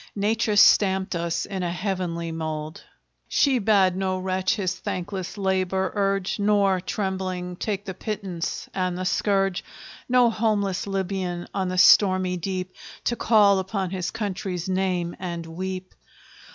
Nature stamped us in a heavenly mold! She bade no wretch his thankless labor urge, Nor, trembling, take the pittance and the scourge; No homeless Libyan, on the stormy deep, To call upon his country's name and weep!